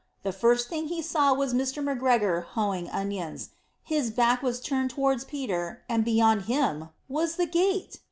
The first thing he saw was Mr. McGregor hoeing onions. His back was turned towards Peter, and beyond him was the gate!